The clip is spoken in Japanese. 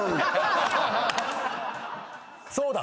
そうだ。